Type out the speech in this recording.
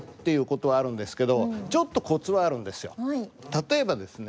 例えばですね